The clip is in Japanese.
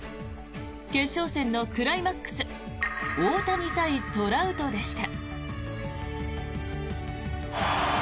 決勝戦のクライマックス大谷対トラウトでした。